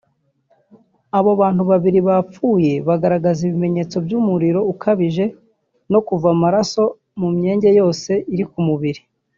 Abo bantu babiri bapfuye bagaragazaga ibimenyetso by’umuriro ukabije no kuva amaraso mu myenge yose iri ku mubiri